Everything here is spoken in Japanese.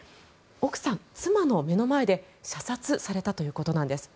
奥さん、妻の目の前で射殺されたということなんです。